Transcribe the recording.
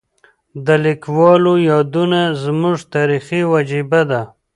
د لیکوالو یادونه زموږ تاریخي وجیبه ده.